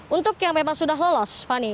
untuk yang memang sudah lolos fani